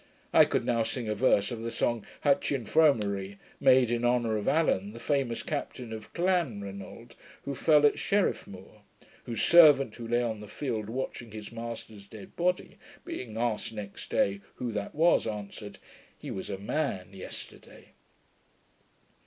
I could now sing a verse of the song Hatyin foam'eri, made in honour of Allan, the famous Captain of Clanranald, who fell at Sherrif muir; whose servant, who lay on the field watching his master's dead body, being asked next day who that was, answered, 'He was a man yesterday.'